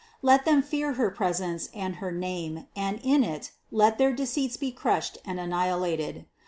Let them fear her presence and her name and in it, let their deceits be crushed and anni hilated.